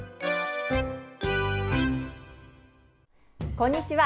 こんにちは。